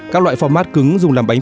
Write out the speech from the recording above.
các loại pho mát cứng dùng làm bánh mì